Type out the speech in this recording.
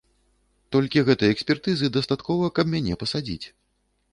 Толькі гэтай экспертызы дастаткова, каб мяне пасадзіць.